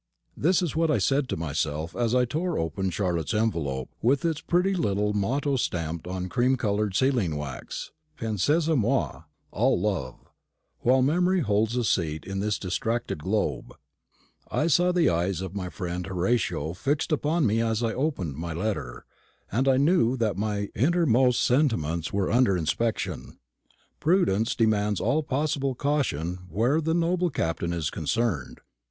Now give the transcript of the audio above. This is what I said to myself as I tore open Charlotte's envelope, with its pretty little motto stamped on cream coloured sealing wax, "Pensez à moi." Ah, love; "while memory holds a seat in this distracted globe." I saw the eyes of my friend Horatio fixed upon me as I opened my letter, and knew that my innermost sentiments were under inspection. Prudence demands all possible caution where the noble Captain is concerned.